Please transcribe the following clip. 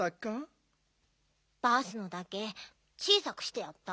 バースのだけ小さくしてやった。